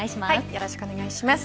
よろしくお願いします。